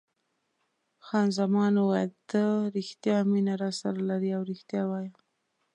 خان زمان وویل: ته رښتیا مینه راسره لرې او رښتیا وایه.